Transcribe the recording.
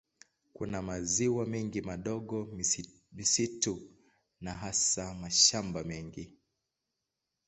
Kuna maziwa mengi madogo, misitu na hasa mashamba mengi.